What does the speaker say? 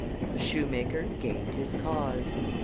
The shoemaker gained his cause.